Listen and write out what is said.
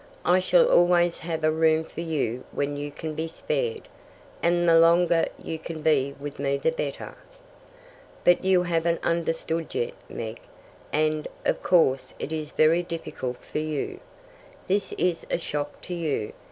"I shall always have a room for you when you can be spared, and the longer you can be with me the better. But you haven't understood yet, Meg, and of course it is very difficult for you. This is a shock to you.